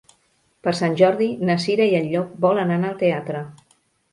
Per Sant Jordi na Cira i en Llop volen anar al teatre.